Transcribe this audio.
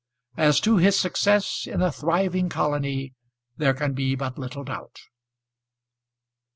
As to his success in a thriving colony, there can be but little doubt.